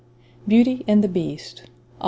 BEAUTY AND THE BEAST.